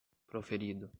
proferido